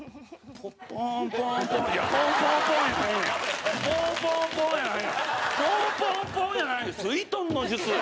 ポン、ポン、ポンやないねん。